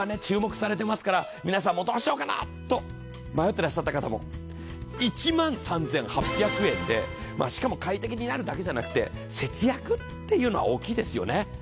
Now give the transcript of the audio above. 注目されてますから皆さんもどうしようかな？と迷ってらっしゃった方も１万３８００円でしかも快適になるだけじゃなくて節約っていうのは大きいですよね。